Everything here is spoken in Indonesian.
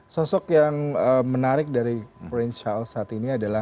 sosok yang menarik dari prince charles saat ini adalah